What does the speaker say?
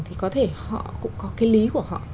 thì có thể họ cũng có cái lý của họ